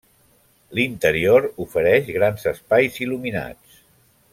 L'interior ofereix grans espais il·luminats.